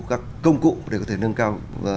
các công cụ để có thể nâng cao